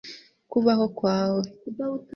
kubaho kwawe